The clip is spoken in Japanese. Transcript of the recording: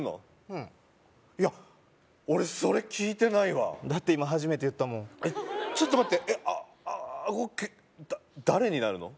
うんいや俺それ聞いてないわだって今初めて言ったもんちょっと待ってアゴ誰になるの？